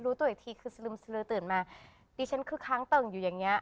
รู้ตัวอีกทีคือสลึมสลือตื่นมาดิฉันคือค้างเติ่งอยู่อย่างเงี้